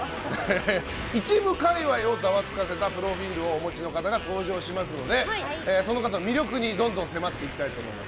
一部界隈をざわつかせたプロフィールをお持ちの方が登場しますのでその方の魅力にどんどん迫っていきたいと思います。